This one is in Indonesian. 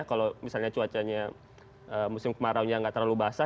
kalau misalnya cuacanya musim kemarau nya nggak terlalu basah